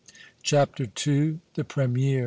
CHAPTER 11. THE PREMIER.